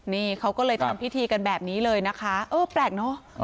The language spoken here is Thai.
นี่เขาก็เลยทำพิธีกันแบบนี้เลยนะคะเออแปลกเนอะ